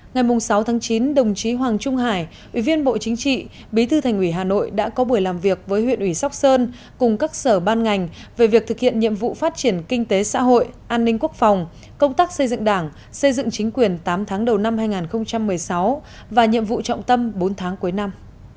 ngày sáu chín đồng chí hoàng trung hải ủy viên bộ chính trị bí thư thành ủy hà nội đã có buổi làm việc với huyện ủy sóc sơn cùng các sở ban ngành về việc thực hiện nhiệm vụ phát triển kinh tế xã hội an ninh quốc phòng công tác xây dựng đảng xây dựng chính quyền tám tháng đầu năm hai nghìn một mươi sáu và nhiệm vụ trọng tâm bốn tháng cuối năm